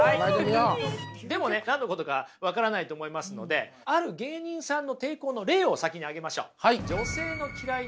でもね何のことか分からないと思いますのである芸人さんの抵抗の例を先に挙げましょう。